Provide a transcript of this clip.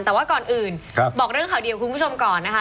แต่ว่าก่อนอื่นบอกเรื่องข่าวดีของคุณผู้ชมก่อนนะคะ